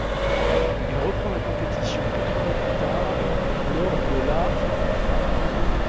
Il reprend la compétition quatre mois plus tard, lors de la '.